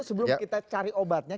sebelum kita cari obatnya